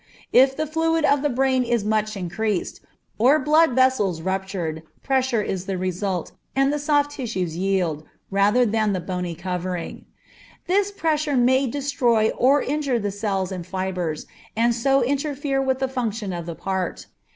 If the fluid of the brain is much increased, or blood vessels ruptured, pressure is the result, and the soft tissues yield, rather than the bony covering. This pressure may destroy or injure the cells and fibres, and so interfere with the function of the part.